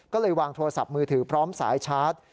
ก็เลยวางโทรศัพท์มือถือพร้อมสายชาร์จ